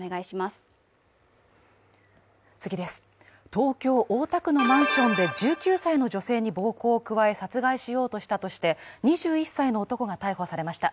東京・大田区のマンションで１９歳の女性に暴行を加え殺害しようとしたとして２１歳の男が逮捕されました。